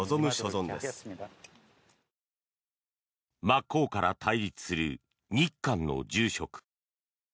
真っ向から対立する日韓の住職。